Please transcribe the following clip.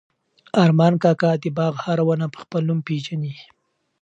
ارمان کاکا د باغ هره ونه په خپل نوم پېژني.